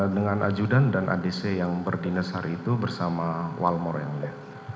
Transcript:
dengan ajudan dan adc yang berdinas hari itu bersama walmor yang mulia